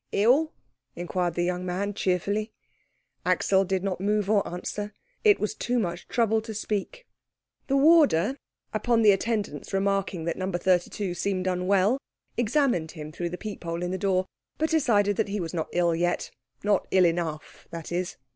"Ill?" inquired the young man cheerfully. Axel did not move or answer. It was too much trouble to speak. The warder, upon the attendant's remarking that No. 32 seemed unwell, examined him through the peep hole in the door, but decided that he was not ill yet; not ill enough, that is.